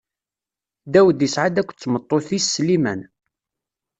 Dawed isɛa-d akked tmeṭṭut-is Sliman.